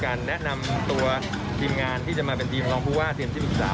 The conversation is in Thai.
แนะนำตัวทีมงานที่จะมาเป็นทีมรองผู้ว่าเตรียมที่ปรึกษา